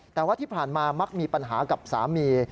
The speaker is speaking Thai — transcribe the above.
แต่ว่าที่ผ่านมามักมีปัญหากับสามี